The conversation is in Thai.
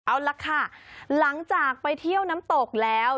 เอาล่ะค่ะหลังจากไปเที่ยวน้ำตกแล้ว